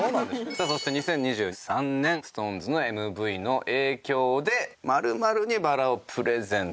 さあそして２０２３年ＳｉｘＴＯＮＥＳのＭＶの影響で○○にバラをプレゼントという事で。